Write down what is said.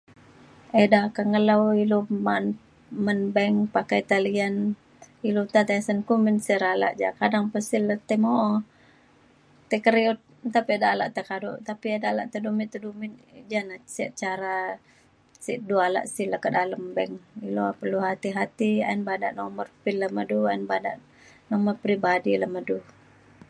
eda ke ngelau ilu man man bank pakai talian ilu nta tesen kumin sey re alak ja, kadang pe sin le tai mo'o. tai keriut nta pe eda alak te kaduk tapi eda alak te dumit-dumit jane sik cara sik du alak sin le ke dalem bank. ilu perlu hati-hati ayen badak nomor pin le me du ayen badak nomor peribadi le me du.